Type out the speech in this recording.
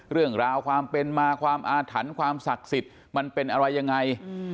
เรื่องราวความเป็นมาความอาถรรพ์ความศักดิ์สิทธิ์มันเป็นอะไรยังไง